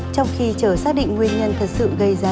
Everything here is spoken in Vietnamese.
trong khi chờ xác định nguyên nhân thật sự gây ra